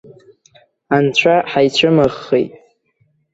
Анцәа ҳаицәымыӷхеит!